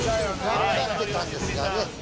頑張ってたんですがね。